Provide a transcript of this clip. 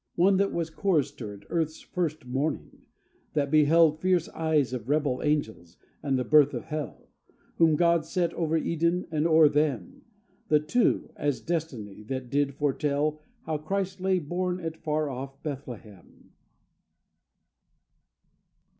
One that was chorister At Earth's first morning; that beheld fierce eyes Of rebel angels, and the birth of Hell; Whom God set over Eden and o'er them, The Two, as destiny; that did foretell How Christ lay born at far off Bethlehem.